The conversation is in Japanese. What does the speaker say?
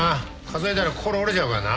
数えたら心折れちゃうからな。